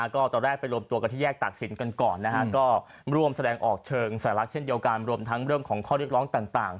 ก็ตอนแรกไปรวมตัวกันที่แยกตากศิลปกันก่อนนะฮะก็ร่วมแสดงออกเชิงสัญลักษณ์เช่นเดียวกันรวมทั้งเรื่องของข้อเรียกร้องต่าง